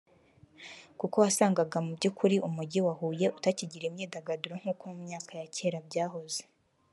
kuko wasangaga mu by’ukuri umujjyi wa Huye utakigira imyidagaduro nk’uko mu myaka ya kera byahoze